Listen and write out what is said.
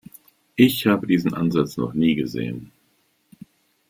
Ich habe diesen Ansatz noch nie gesehen.